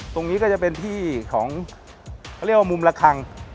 ตรงนี้ก็จะเป็นที่ของเขาเรียกว่ามุมระคัง